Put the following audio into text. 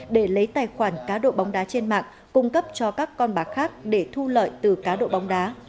để lấy tài khoản cá độ bóng đá trên mạng cung cấp cho các con bạc khác để thu lợi từ cá độ bóng đá